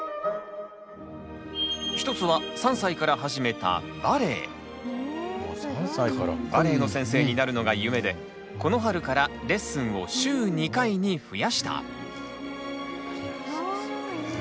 一つは３歳から始めたバレエの先生になるのが夢でこの春からレッスンを週２回に増やした。